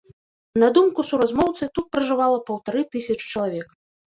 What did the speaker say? На думку суразмоўцы, тут пражывала паўтары тысячы чалавек.